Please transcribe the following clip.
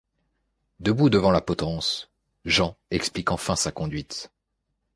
Debout devant la potence, Jean explique enfin sa conduite.